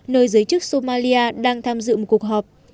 nơi giới chức somali đang tham dự một cuộc họp